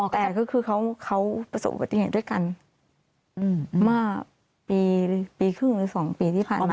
แต่ก็คือเขาประสบกับตัวเองด้วยกันมาปีครึ่งหรือสองปีที่ผ่านมา